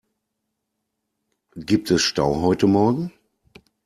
Gibt es Stau heute morgen?